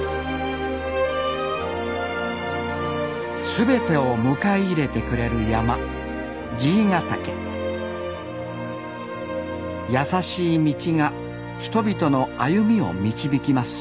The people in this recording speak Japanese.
全てを迎え入れてくれる山爺ヶ岳やさしい道が人々の歩みを導きます